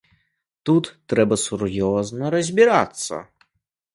Тут трэба сур'ёзна разбірацца.